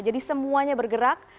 jadi semuanya bergerak